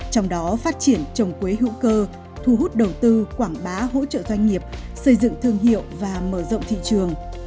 trong đó phát triển trồng quế hữu cơ thu hút đầu tư quảng bá hỗ trợ doanh nghiệp xây dựng thương hiệu và mở rộng thị trường